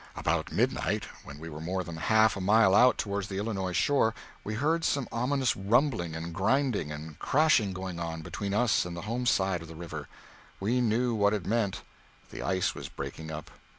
About midnight, when we were more than half a mile out toward the Illinois shore, we heard some ominous rumbling and grinding and crashing going on between us and the home side of the river, and we knew what it meant the ice was breaking up.